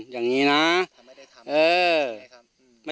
อย่างนี้นะ